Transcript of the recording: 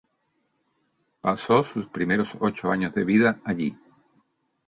Pasó sus primeros ocho años de vida allí.